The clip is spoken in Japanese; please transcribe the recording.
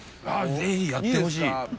ぜひやってほしい。